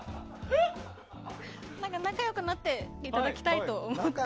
仲良くなっていただきたいと思って。